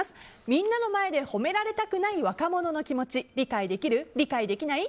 みんなの前で褒められたくない若者の気持ち理解できる？理解できない？